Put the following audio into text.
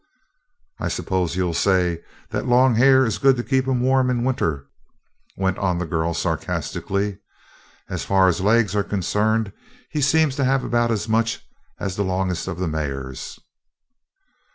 "I suppose you'll say that long hair is good to keep him warm in winter," went on the girl sarcastically. "As far as legs are concerned, he seems to have about as much as the longest of the mares."